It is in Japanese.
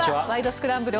スクランブル」